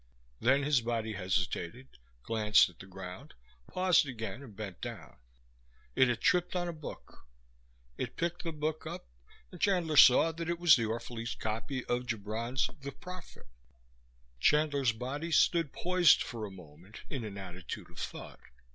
Then his body hesitated, glanced at the ground, paused again and bent down. It had tripped on a book. It picked the book up, and Chandler saw that it was the Orphalese copy of Gibran's The Prophet. Chandler's body stood poised for a moment, in an attitude of thought.